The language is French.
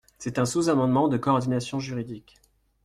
C’est un sous-amendement de coordination juridique.